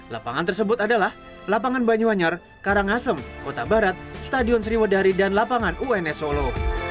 lapangan tersebut adalah lapangan banyuanyar karangasem kota barat stadion sriwadari dan lapangan uns solo